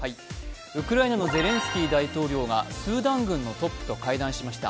ウクライナのゼレンスキー大統領がスーダン軍のトップと会談しました。